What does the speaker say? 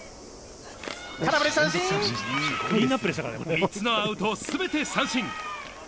３つのアウト、全て三振。